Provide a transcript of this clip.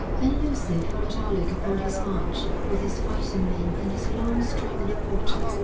Then Lucy followed Alec upon his march, with his fighting men and his long string of porters.